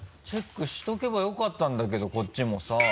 チェックしておけばよかったんだけどこっちもさ。